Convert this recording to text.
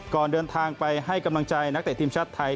เดินทางไปให้กำลังใจนักเตะทีมชาติไทย